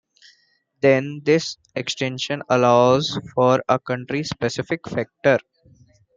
Then this extension allows for a country specific factor.